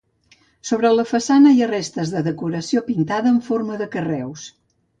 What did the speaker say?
Sobre la façana hi ha restes de decoració pintada en forma de carreus.